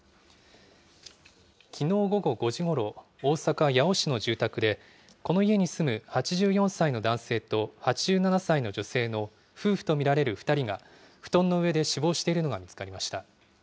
きのう午後５時ごろ、大阪・八尾市の住宅で、この家に住む８４歳の男性と８７歳の女性の夫婦と見られる２人が布団の上で死亡しているのが見つかりました。